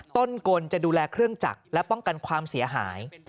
กลจะดูแลเครื่องจักรและป้องกันความเสียหาย